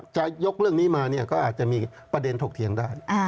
จะยกเรื่องนี้มาเนี่ยก็อาจจะมีประเด็นถกเถียงได้